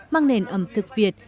mang nền ẩm thực việt